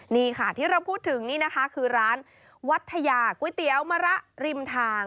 นี่ค่ะที่เราพูดถึงนี่นะคะคือร้านวัทยาก๋วยเตี๋ยวมะระริมทาง